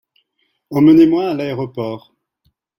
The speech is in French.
Emmenez-moi à l'aéroport.